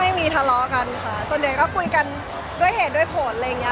ทะเลาะกันค่ะส่วนใหญ่ก็คุยกันด้วยเหตุด้วยผลอะไรอย่างเงี้